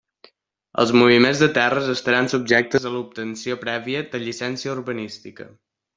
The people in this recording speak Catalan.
Els moviments de terres estaran subjectes a l'obtenció prèvia de la llicència urbanística.